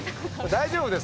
大丈夫ですか？